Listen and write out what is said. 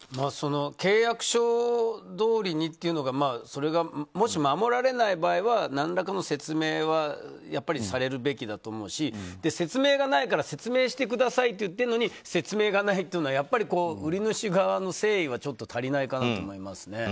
契約書どおりにというのがそれがもし守られない場合は何らかの説明はやっぱりされるべきだと思うし説明がないから説明してくださいって言ってるのに説明がないっていうのはやっぱり売り主側の誠意はちょっと足りないかなと思います。